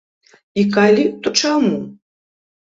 І калі, то чаму?